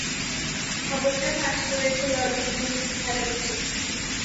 খবরটা ফাঁস করেছে লজে ডিউটিতে থাকা একজন।